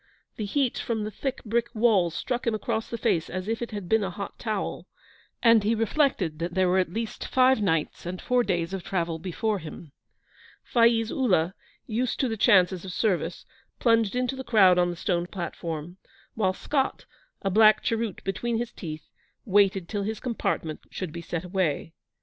The heat from the thick brick walls struck him across the face as if it had been a hot towel, and he reflected that there were at least five nights and four days of travel before him. Faiz Ullah, used to the chances of service, plunged into the crowd on the stone platform, while Scott, a black cheroot between his teeth, waited till his compartment should be set away.